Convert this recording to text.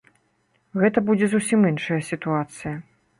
Гэта будзе зусім іншая сітуацыя.